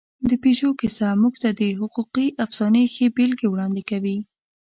د پيژو کیسه موږ ته د حقوقي افسانې ښې بېلګې وړاندې کوي.